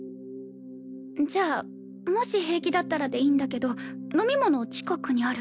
じゃあもし平気だったらでいいんだけど飲み物近くにある？